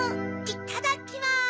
いただきます！